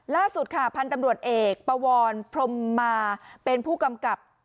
ล่าสุดค่ะพันธุ์ตำรวจเอกปวรพรมมาเป็นผู้กำกับ